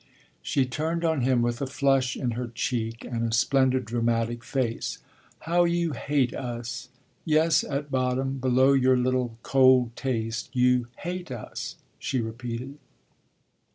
She turned on him with a flush in her cheek and a splendid dramatic face. "How you hate us! Yes, at bottom, below your little cold taste, you hate us!" she repeated.